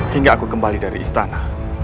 hingga aku kembali dari istana